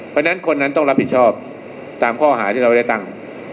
เพราะฉะนั้นคนนั้นต้องรับผิดชอบตามข้อหาที่เราได้ตั้ง